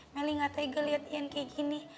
meli gak tenggel liat ian kayak gini